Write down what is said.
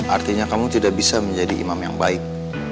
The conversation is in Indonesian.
artinya kamu tidak bisa menjadi imam yang baik